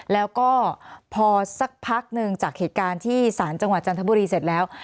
แล้วก็พอสักพักหนึ่งจากเหตุการณ์ที่ศาลจังหวัดจันทบุรีเสร็จแล้ว